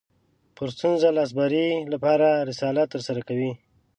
پر ستونزې لاسبري لپاره رسالت ترسره کوي